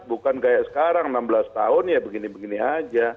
bukan kayak sekarang enam belas tahun ya begini begini aja